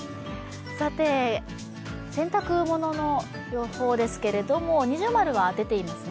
さて、洗濯物の予報ですけども◎は出ていますね。